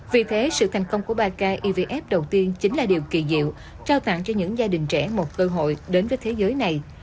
vì thế sự thành công của bak evf đầu tiên chính là điều kỳ diệu trao tặng cho những gia đình trẻ một cơ hội đến với thế giới này